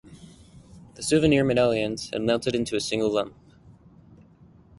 The souvenir medallions had melted into a single lump.